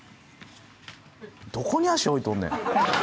どこに足置いとんねん。